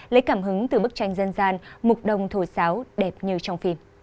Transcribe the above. lấy cảm hứng từ bức tranh dân gian mục đồng thổi sáo đẹp như trong phim